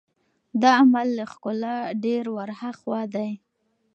دا عمل له ښکلا ډېر ور هاخوا دی.